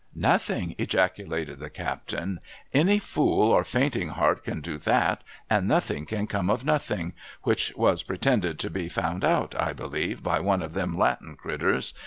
Nothing !' ejaculated the captain. ' Any fool or fainting heart can do ///(//, and nothing can come of nothing, — which was pretended to be found out, I believe, by one of them Latin critters